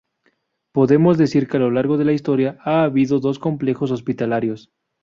Podemos decir que a lo largo de la historia ha habido dos complejos hospitalarios.